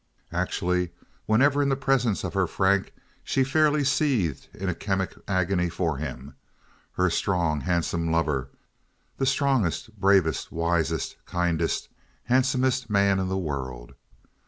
Actually, whenever in the presence of her Frank, she fairly seethed in a chemic agony for him—her strong, handsome lover—the strongest, bravest, wisest, kindest, handsomest man in the world.